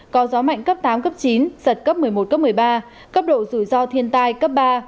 có gió mạnh cấp tám cấp chín giật cấp một mươi một cấp một mươi ba cấp độ rủi ro thiên tai cấp ba